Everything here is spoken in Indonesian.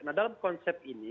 nah dalam konsep ini